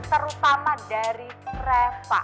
terutama dari reva